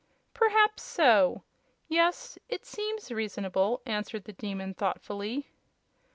"Perhaps so. Yes; it seems reasonable," answered the Demon, thoughtfully.